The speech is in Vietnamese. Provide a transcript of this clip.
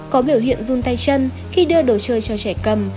có biểu hiện run tay chân khi đưa đồ chơi cho trẻ cầm